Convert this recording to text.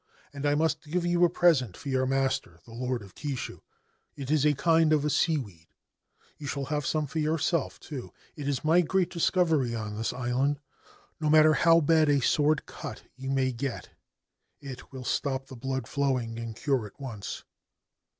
And I must give you a presen for your master, the Lord of Kishu. It is a kind o seaweed. You shall have some for yourself also. It i 124 The Isolated or Desolated Island my great discovery on this island. No matter how bad a sword cut you may get, it will stop the blood flowing and cure at once.